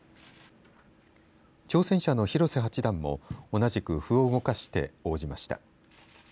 挑戦者の広瀬八段も同じく歩を動かして応じました。